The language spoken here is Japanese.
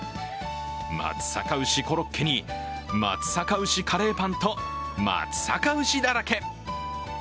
松阪牛コロッケに松阪牛カレーパンと松阪牛だらけ。